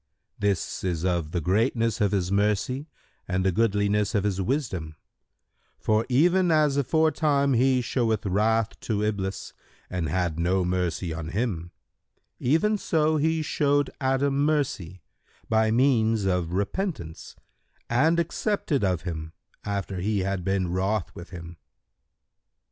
"—"This is of the greatness of His mercy and the goodliness of His wisdom; for, even as aforetime he showed wrath to Iblis and had no mercy on him, even so he showed Adam mercy, by means[FN#131] of repentance, and accepted of him, after He had been wroth with him."